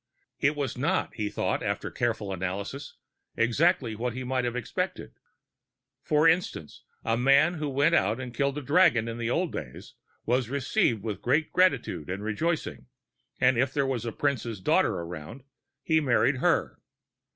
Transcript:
It was not, he thought after careful analysis, exactly what he might have expected. For instance, a man who went out and killed a dragon in the old days was received with great gratitude and rejoicing, and if there was a prince's daughter around, he married her.